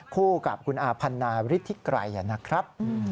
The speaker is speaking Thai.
คู่กับคุณอาพันธ์นาวิทธิกรัยนะครับ